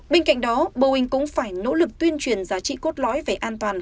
bên cạnh đó boeing cũng phải nỗ lực tuyên truyền giá trị cốt lõi về an toàn